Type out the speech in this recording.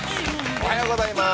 おはようございます。